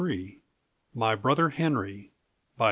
_) MY BROTHER HENRY.